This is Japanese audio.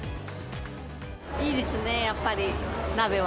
いいですね、やっぱり鍋は。